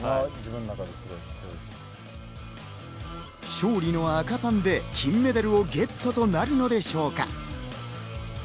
勝利の赤パンで金メダルをゲットとなるのでしょうか。